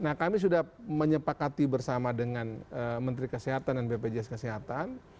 nah kami sudah menyepakati bersama dengan menteri kesehatan dan bpjs kesehatan